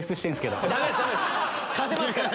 勝てますから！